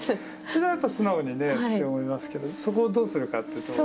それはやっぱり素直にねと思いますけどそこをどうするかというと。